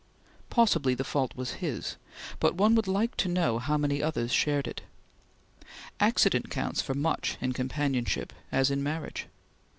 Possibly the fault was his, but one would like to know how many others shared it. Accident counts for much in companionship as in marriage.